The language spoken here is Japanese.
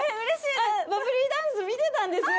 バブリーダンス見てたんですよ。